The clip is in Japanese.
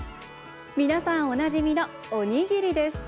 皆さん、おなじみのおにぎりです。